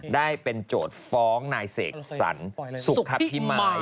ได้เป็นโจทย์ฟ้องนายเสกสรรสุขภิมาย